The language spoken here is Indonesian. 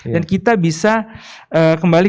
dan kita bisa kembali